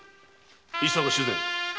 ・井坂主膳